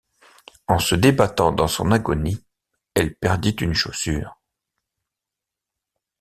En se débattant dans son agonie, elle perdit une chaussure.